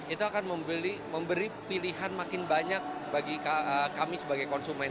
itu akan memberi pilihan makin banyak bagi kami sebagai konsumen